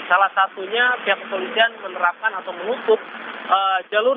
salah satunya pihak kepolisian menerapkan atau menutup jalur